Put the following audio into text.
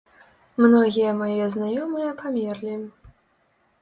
Многія мае знаёмыя памерлі.